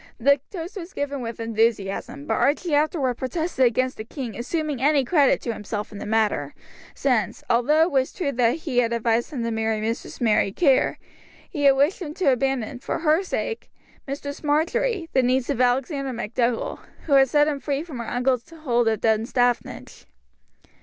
The toast was given with enthusiasm; but Archie afterwards protested against the king assuming any credit to himself in the matter, since, although it was true that he had advised him to marry Mistress Mary Kerr, he had wished him to abandon, for her sake, Mistress Marjory, the niece of Alexander MacDougall, who had set him free from her uncle's hold of Dunstaffnage.